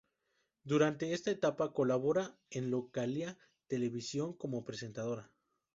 Durante esta etapa colabora en Localia Televisión como presentadora.